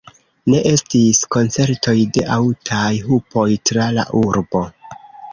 Ne estis koncertoj de aŭtaj hupoj tra la urbo.